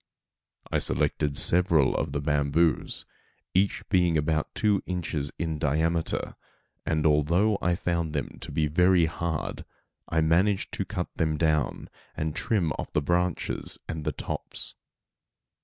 I selected several of the bamboos, each being about two inches in diameter, and although I found them to be very hard, I managed to cut them down, and to trim off the branches and the tops.